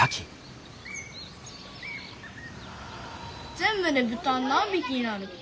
全部で豚は何匹になる？